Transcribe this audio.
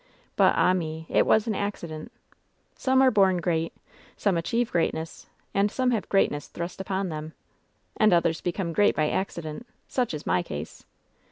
But, ah me I It was an accident. 'Some are bom great ; some achieve greatness; and some have greatness thrust upon them,' and others become great by accident Such is my case."